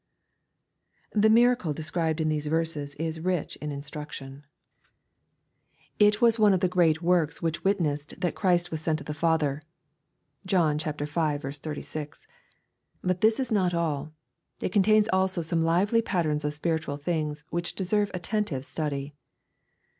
The miracle described in these verses is rich in instruction. 284 EXPOSITORY THOUGHTS. It was one of the great works which witnessed that Christ was sent of the Father. (John v. 36.) But this is not all. It contains also some lively patterns of spiritual things which deserve attentive study.